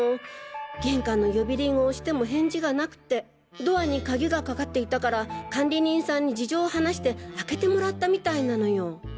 玄関の呼び鈴を押しても返事がなくてドアに鍵がかかっていたから管理人さんに事情を話して開けてもらったみたいなのよ。